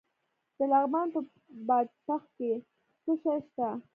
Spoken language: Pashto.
د لغمان په بادپخ کې څه شی شته؟